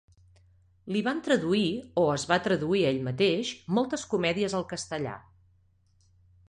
Li van traduir, o es va traduir ell mateix, moltes comèdies al castellà.